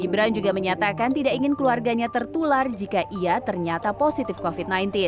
gibran juga menyatakan tidak ingin keluarganya tertular jika ia ternyata positif covid sembilan belas